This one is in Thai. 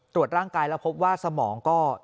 ตรวจร่างกายแล้วพบว่าสมองก็